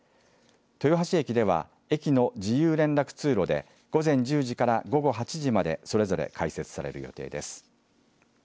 豊橋駅では駅の自由連絡通路で午前１０時から午後８時までそれぞれ開設される予定です。